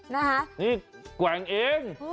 นี่แกว่งเอง